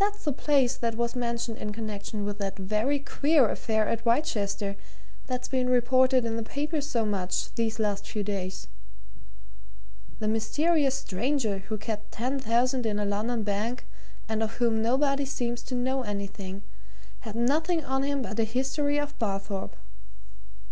"That's the place that was mentioned in connection with that very queer affair at Wrychester, that's been reported in the papers so much these last few days. The mysterious stranger who kept ten thousand in a London bank, and of whom nobody seems to know anything, had nothing on him but a history of Barthorpe.